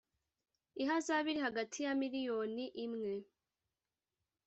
ihazabu iri hagati ya miliyoni imwe